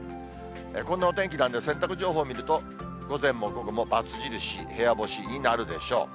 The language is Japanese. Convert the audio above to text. こんなお天気なんで、洗濯情報を見ると、午前も午後も×印、部屋干しになるでしょう。